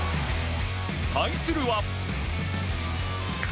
対するは。